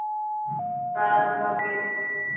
ڪارا ڪپڙا پير.